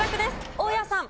大家さん。